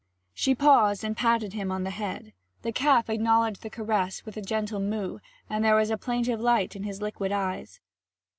She paused and patted him on the head. The calf acknowledged the caress with a grateful moo; there was a plaintive light in his liquid eyes.